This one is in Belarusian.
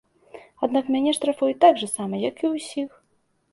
Аднак мяне штрафуюць так жа сама, як і ўсіх.